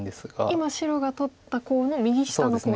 今白が取ったコウの右下のコウですね。